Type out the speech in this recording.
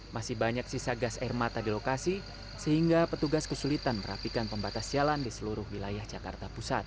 masih banyak sisa gas air mata di lokasi sehingga petugas kesulitan merapikan pembatas jalan di seluruh wilayah jakarta pusat